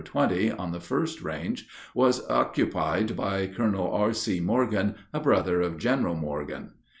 20, on the first range, was occupied by Colonel R.C. Morgan, a brother of General Morgan.